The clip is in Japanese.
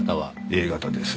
Ａ型です。